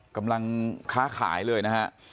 กำลังค้าขายเลยนะฮะ